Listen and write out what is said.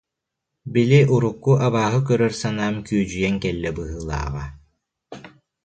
Били урукку абааһы көрөр санаам күөдьүйэн кэллэ быһыылааҕа